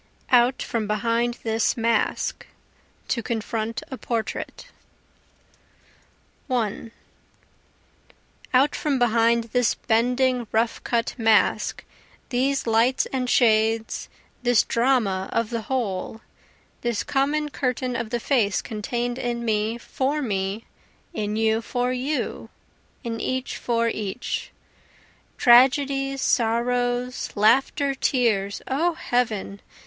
Out from Behind This Mask [To Confront a Portrait] 1 Out from behind this bending rough cut mask, These lights and shades, this drama of the whole, This common curtain of the face contain'd in me for me, in you for you, in each for each, (Tragedies, sorrows, laughter, tears 0 heaven!